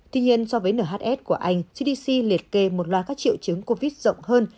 tuy nhiên so với nhs của anh gdp liệt kê một loạt các triệu chứng covid rộng hơn